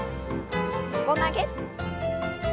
横曲げ。